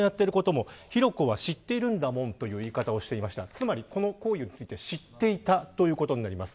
つまりこの行為について知っていたということになります。